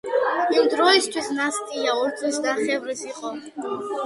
იმ დროისთვის ნასტია ორწლინახევრის იყო.